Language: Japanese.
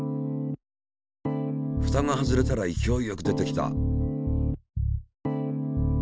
ふたが外れたら勢いよく出てきた。